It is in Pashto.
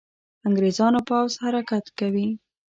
انګرېزانو پوځ حرکت کوي.